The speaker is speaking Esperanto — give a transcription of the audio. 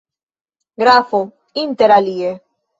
Grafo, interalie.